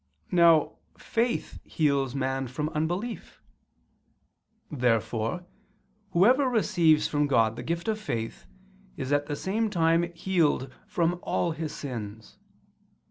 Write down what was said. Now faith heals man from unbelief. Therefore whoever receives from God the gift of faith, is at the same time healed from all his sins.